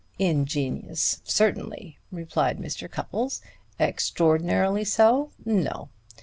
"Ingenious certainly!" replied Mr. Cupples. "Extraordinarily so no!